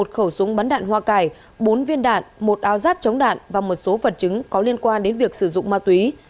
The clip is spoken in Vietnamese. một khẩu súng bắn đạn hoa cải bốn viên đạn một áo giáp chống đạn và một số vật chứng có liên quan đến việc sử dụng ma túy